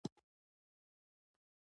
جرم جدي وي.